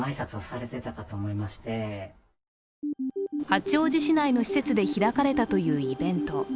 八王子市内の施設で開かれたというイベント。